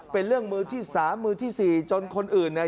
เป็นเรื่องมือที่สามมือที่สี่จนคนอื่นเนี่ย